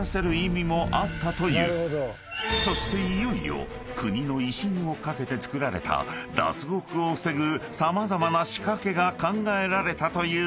［そしていよいよ国の威信を懸けて造られた脱獄を防ぐ様々な仕掛けが考えられたという獄舎へ］